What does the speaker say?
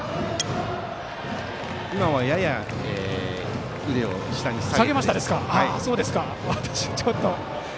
やや腕を下に下げましたね。